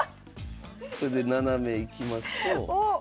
これでナナメ行きますと。